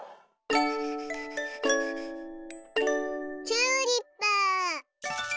チューリップ。